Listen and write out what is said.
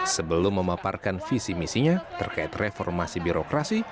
sebelum memaparkan visi misinya terkait reformasi birokrasi